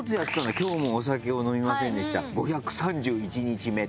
「今日もお酒を飲みませんでした」とか。